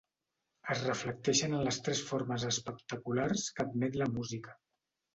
Es reflecteixen en les tres formes especulars que admet la música.